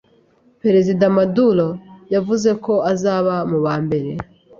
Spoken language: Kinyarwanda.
Perezida Maduro yavuze ko azaba mu ba mbere